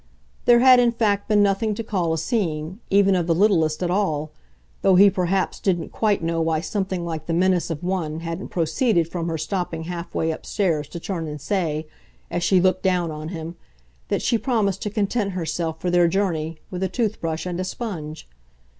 There had in fact been nothing to call a scene, even of the littlest, at all though he perhaps didn't quite know why something like the menace of one hadn't proceeded from her stopping half way upstairs to turn and say, as she looked down on him, that she promised to content herself, for their journey, with a toothbrush and a sponge.